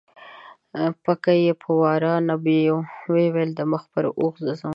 پکه یې په وراه نه بیوه، دې ویل د مخ پر اوښ زه ځم